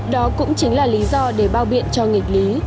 đó cũng chính là lý do để bao biện cho nghịch lý